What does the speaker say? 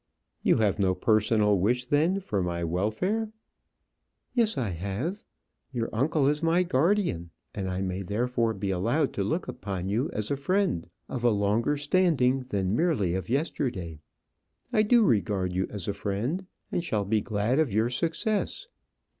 "You have no personal wish, then, for my welfare?" "Yes, I have. Your uncle is my guardian, and I may therefore be allowed to look upon you as a friend of a longer standing than merely of yesterday. I do regard you as a friend, and shall be glad of your success."